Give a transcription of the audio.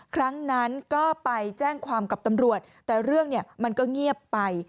ครั้งนั้นก็ไปแจ้งความกับตำรวจแต่เรื่องเนี่ยมันก็เงียบไป